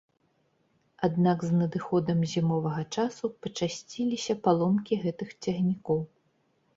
Аднак, з надыходам зімовага часу пачасціліся паломкі гэтых цягнікоў.